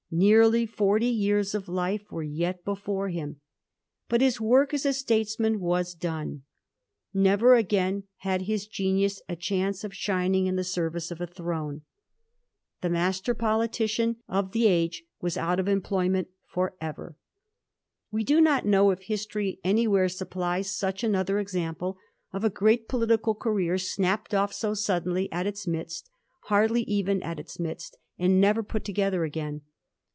Nearly forty years of life were yet before him ; but his work as a statesman was done. Never again had his genius a chance of shiDing in the service of a throne. The master politiciaii of Digiti zed by Google 1716 'BANISHED BOUNGBROKE REPEALS HIMSELF.' 175 the age was out of employment for ever. We do not know if history anywhere supplies such another example of a great political career snapped off so suddenly at its midst, hardly even at its midst, and never put together again.